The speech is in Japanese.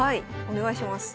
お願いします。